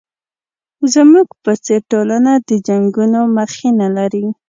زموږ په څېر ټولنه د جنګونو مخینه لري.